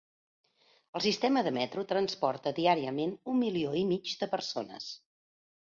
El sistema de metro transporta diàriament un milió i mig de persones.